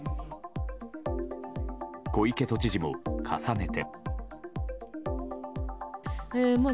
小池都知事も重ねて。